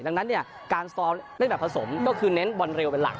ดังนั้นเนี่ยการสตอเล่นแบบผสมก็คือเน้นบอลเร็วเป็นหลัก